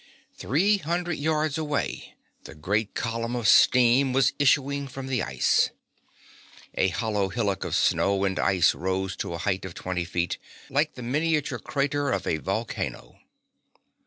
Three hundred yards away the great column of steam was issuing from the ice. A hollow hillock of snow and ice rose to a height of twenty feet, like the miniature crater of a volcano.